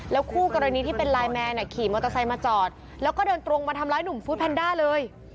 คู่กรณีที่เป็นไลน์แมนขี่มอเตอร์ไซค์มาจอดแล้วก็เดินตรงมาทำร้ายหนุ่มฟู้ดแพนด้าเลย